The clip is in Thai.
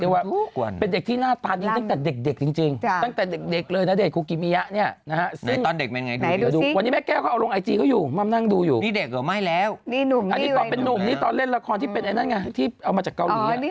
วันนี้เป็นวันเกิดของณเดชน์นะฮะก็